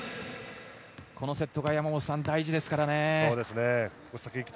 このセットが大事ですからね。